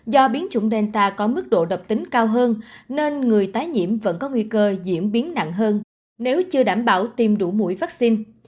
do biến chủng delta có mức độ độc tính cao hơn nên người tái nhiễm vẫn có nguy cơ diễn biến nặng hơn nếu chưa đảm bảo tiêm đủ mũi vaccine